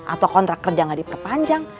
atau kontrak kerja nggak diperpanjang